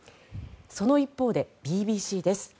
その一方でＢＢＣです。